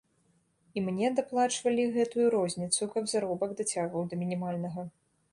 І мне даплачвалі гэтую розніцу, каб заробак дацягваў да мінімальнага.